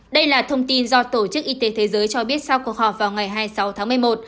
đây là thông tin do tổ chức y tế thế giới cho biết sau cuộc họp vào ngày hai mươi sáu tháng một mươi một